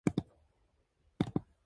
The school has four sections.